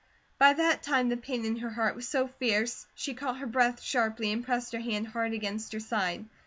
By that time the pain in her heart was so fierce she caught her breath sharply, and pressed her hand hard against her side.